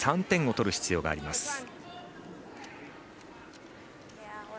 ３点を取る必要があります。